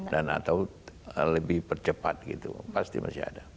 dan atau lebih percepat gitu pasti masih ada